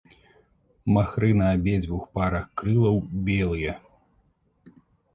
Махры на абедзвюх парах крылаў белыя.